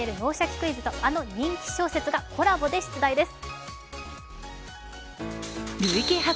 クイズ」とあの人気小説がコラボで出題です。